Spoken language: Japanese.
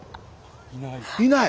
いない。